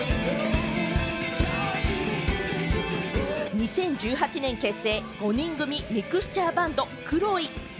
２０１８年結成、５人組ミクスチャーバンド・Ｋｒｏｉ。